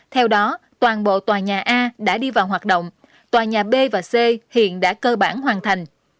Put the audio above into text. theo đó toàn bộ tòa nhà a đã đi vào hoạt động tòa nhà b và c hiện đã cơ bản hoàn thành